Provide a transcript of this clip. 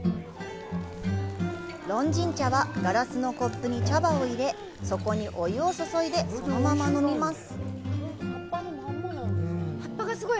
龍井茶は、ガラスのコップに茶葉を入れ、そこにお湯を注いで、そのまま飲みます。